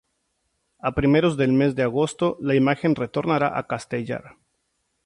A primeros del mes de agosto la imagen retornará a Castellar.